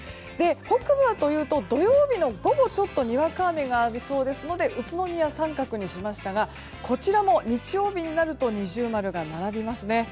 北部はというと土曜日の午後にわか雨がありそうですので宇都宮は△にしましたがこちらも日曜日になると◎が並びますね。